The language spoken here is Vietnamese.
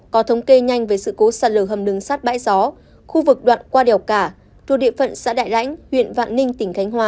có thống kê nhanh về sự cố sạt lở hầm đường sát bãi gió khu vực đoạn qua đèo cả thuộc địa phận xã đại lãnh huyện vạn ninh tỉnh khánh hòa